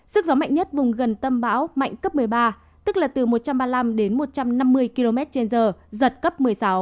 sức gió mạnh nhất vùng gần tâm bão mạnh cấp một mươi ba tức là từ một trăm ba mươi năm đến một trăm năm mươi km trên giờ giật cấp một mươi sáu